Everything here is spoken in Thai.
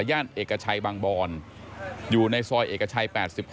เอกชัยบางบอนอยู่ในซอยเอกชัย๘๖